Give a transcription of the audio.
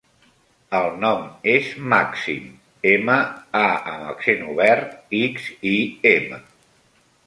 El nom és Màxim: ema, a amb accent obert, ics, i, ema.